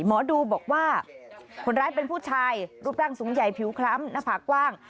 หมอดูบอกว่าคนร้ายเป็นผู้ชายรูปร่างสูงใหญ่ผิวคล้ำหน้าผากกว้าง